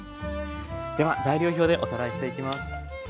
では材料表でおさらいしていきます。